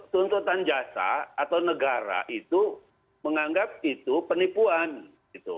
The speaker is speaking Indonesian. tuntutan jasa atau negara itu menganggap itu penipuan gitu